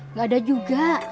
enggak ada juga